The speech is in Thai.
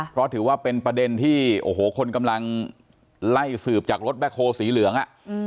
เพราะถือว่าเป็นประเด็นที่โอ้โหคนกำลังไล่สืบจากรถแบ็คโฮสีเหลือง